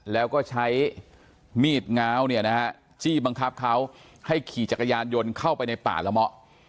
แล้วก็ใช้มีดง้าวเนี่ยนะฮะจี้บังคับเขาให้ขี่จักรยานยนต์เข้าไปในป่าละเมาะ